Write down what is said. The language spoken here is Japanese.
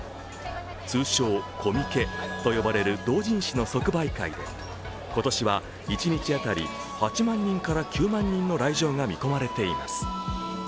通称コミケと呼ばれる同人誌の即売会で今年は一日当たり８万人から９万人の来場が見込まれています。